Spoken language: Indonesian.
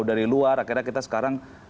dari luar akhirnya kita sekarang